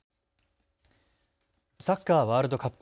サッカーワールドカップ。